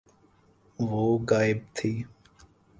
وہ غائب تھی۔